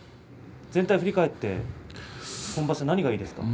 全体を振り返って今場所何がいいですか？